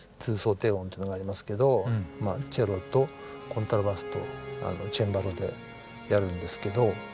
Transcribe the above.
低音っていうのがありますけどチェロとコントラバスとチェンバロでやるんですけど。